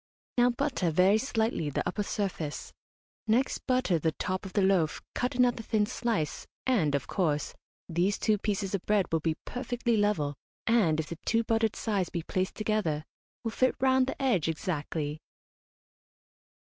Now butter very slightly the upper surface. Next butter the top of the loaf, cut another thin slice, and, of course, these two pieces of bread will be perfectly level, and, if the two buttered sides be placed together, will fit round the edge exactly.